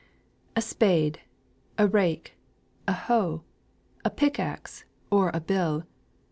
"A spade! a rake! a hoe! A pickaxe or a bill!